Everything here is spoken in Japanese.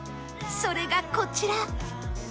それがこちら